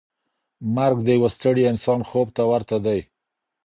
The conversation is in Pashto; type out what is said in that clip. مرګ د یو ستړي انسان خوب ته ورته دی.